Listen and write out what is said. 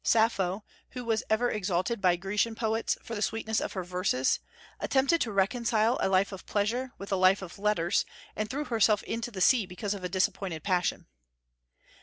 Sappho, who was ever exalted by Grecian poets for the sweetness of her verses, attempted to reconcile a life of pleasure with a life of letters, and threw herself into the sea because of a disappointed passion.